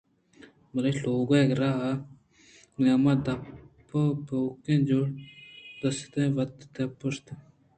بلے لاگ ءَ راہ ءِ نیام ءَ دپ کپوکیں جُو ءَ دست ءِ وت دپ پُشت وَرَان ءَ وتارا دئور دات